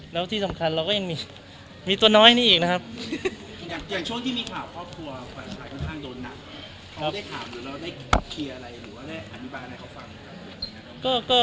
แล้วที่สำคัญเราก็ยังมีตัวน้อยนี่อีกนะครับ